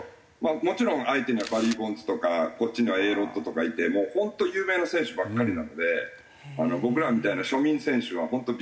もちろん相手にはバリー・ボンズとかこっちにはＡ・ロッドとかいてもう本当有名な選手ばっかりなので僕らみたいな庶民選手は本当ビックリしました。